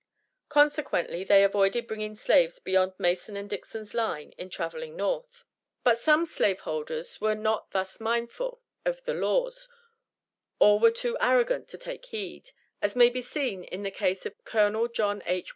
Consequently they avoided bringing slaves beyond Mason and Dixon's Line in traveling North. But some slave holders were not thus mindful of the laws, or were too arrogant to take heed, as may be seen in the case of Colonel John H.